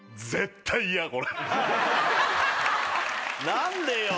何でよ。